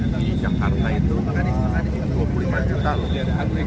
di jakarta itu tadi dua puluh lima juta loh